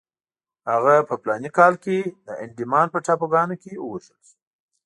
هغه په فلاني کال کې د انډیمان په ټاپوګانو کې ووژل شو.